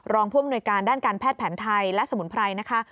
ผู้อำนวยการด้านการแพทย์แผนไทยและสมุนไพรนะคะ